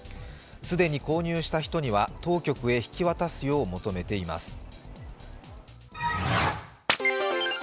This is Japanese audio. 既に購入した人には当局へ引き渡すよう求めています。